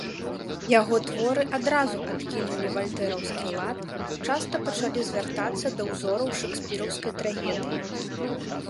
Яго творы адразу адкінулі вальтэраўскі лад, часта пачалі звяртацца да ўзораў шэкспіраўскай трагедыі.